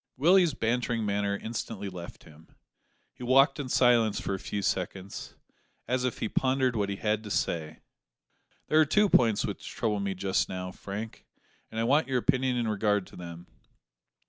Willie's bantering manner instantly left him. He walked in silence for a few seconds, as if he pondered what he had to say. "There are two points which trouble me just now, Frank, and I want your opinion in regard to them.